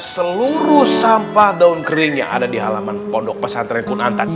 curuh sampah daun kering yang ada di halaman pondok pesantren kunantan